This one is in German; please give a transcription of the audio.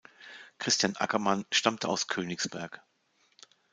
Christian Ackermann stammte aus Königsberg.